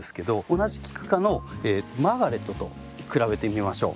同じキク科のマーガレットと比べてみましょう。